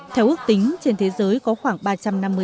theo ước tính trên thế giới có khoảng ba triệu